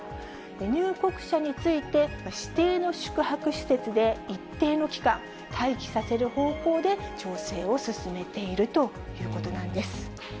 入国者について指定の宿泊施設で一定の期間、待機させる方向で調整を進めているということなんです。